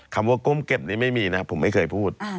คำว่าก้มเก็บนี่ไม่มีนะผมไม่เคยพูด